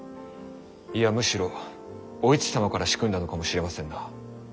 いやむしろお市様から仕組んだのかもしれませんな。